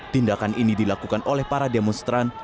tindakan ini dilakukan oleh para demonstran